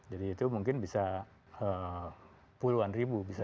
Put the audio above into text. jadi itu mungkin bisa puluhan ribu